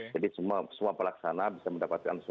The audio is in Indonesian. jadi semua pelaksanaan